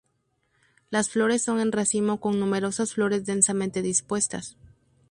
Las flores son en racimo con numerosas flores densamente dispuestas.